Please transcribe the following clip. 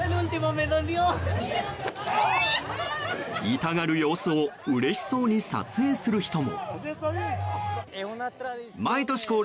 痛がる様子をうれしそうに撮影する人も。